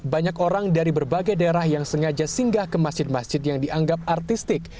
banyak orang dari berbagai daerah yang sengaja singgah ke masjid masjid yang dianggap artistik